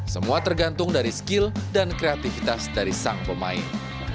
semua tergantung dari skill dan kreativitas dari sang pemain